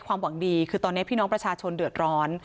ความหวังดีคือตอนนี้พี่น้องประชาชนเดือดร้อน